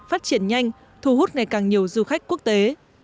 phát triển nhanh thu hút ngày càng nhiều du khách quốc tế